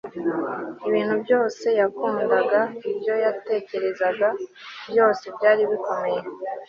ibintu byose yakundaga, ibyo yatekerezaga byose byari bikomeye